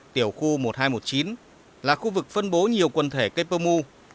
tiểu khu một nghìn hai trăm một mươi chín là khu vực phân bố nhiều quần thể cây pơ mu